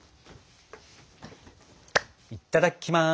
いただきます！